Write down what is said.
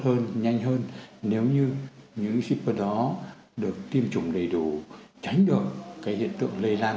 hơn nhanh hơn nếu như những shipper đó được tiêm chủng đầy đủ tránh được cái hiện tượng lây lan